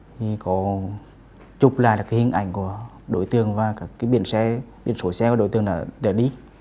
thì có chụp lại hình ảnh của đối tượng và cả biển sổ xe của đối tượng đã đi